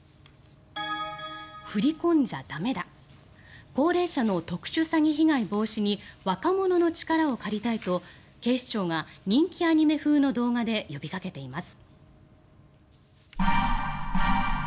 振り込んじゃ駄目だ高齢者の特殊詐欺被害防止に若者の力を借りたいと警視庁が人気アニメ風の動画で呼びかけています。